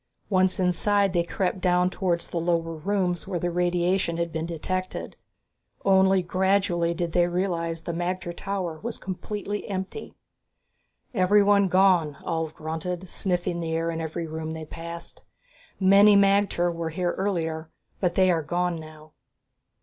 Once inside, they crept down towards the lower rooms where the radiation had been detected. Only gradually did they realize that the magter tower was completely empty. "Everyone gone," Ulv grunted, sniffing the air in every room that they passed. "Many magter were here earlier, but they are gone now."